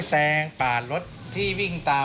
นี่ค่ะคุณผู้ชมพอเราคุยกับเพื่อนบ้านเสร็จแล้วนะน้า